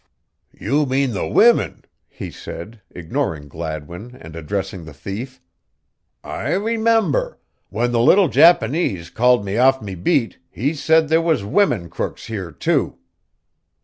"You mean the women," he said, ignoring Gladwin and addressing the thief. "I remember when the little Japanaze called me oft me beat, he said there was women crooks here, too."